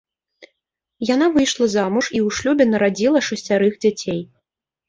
Яна выйшла замуж і ў шлюбе нарадзіла шасцярых дзяцей.